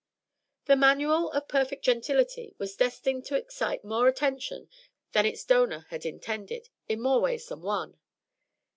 The "Manual of Perfect Gentility" was destined to excite more attention than its donor had intended, in more ways than one.